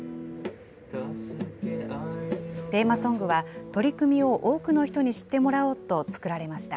テーマソングは、取り組みを多くの人に知ってもらおうと作られました。